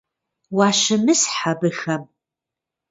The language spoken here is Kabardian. Уащымысхь абыхэм.